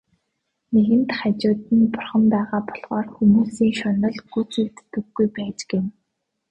Нэгэнт хажууд нь Бурхан байгаа болохоор хүмүүсийн шунал гүйцэгддэггүй байж гэнэ.